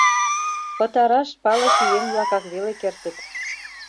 Пытараш палыше еҥ-влакак веле кертыт.